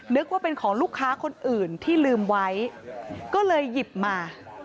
นึกว่าเป็นของลูกค้าคนอื่นที่ลืมไว้ก็เลยหยิบมา